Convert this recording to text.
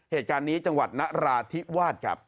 เหตุการณ์นี้จังหวัดนราธิวาสครับ